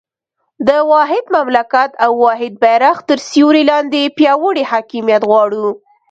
د واحد مملکت او واحد بېرغ تر سیوري لاندې پیاوړی حاکمیت غواړو.